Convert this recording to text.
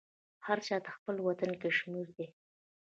هر چا ته خپل وطن کشمیر دی